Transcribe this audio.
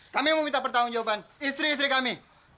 kami mau minta pertanggung jawaban istri istri kami